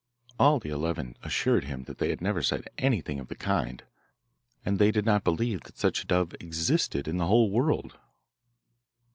All the eleven assured him that they had never said anything of the kind, and they did not believe that such a dove existed in the whole world.